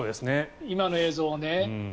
今の映像ね。